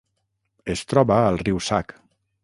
Es troba al riu Sac.